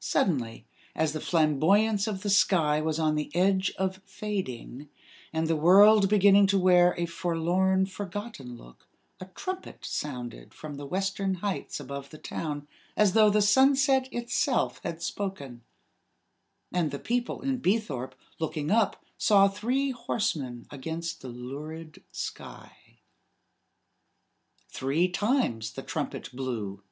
Suddenly, as the flamboyance of the sky was on the edge of fading, and the world beginning to wear a forlorn, forgotten look, a trumpet sounded from the western heights above the town, as though the sunset itself had spoken; and the people in Beethorpe, looking up, saw three horsemen against the lurid sky. Three times the trumpet blew.